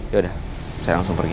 yaudah saya langsung pergi